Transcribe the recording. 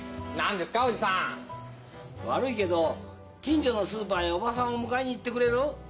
悪いけど近所のスーパーへおばさんを迎えに行ってくれる？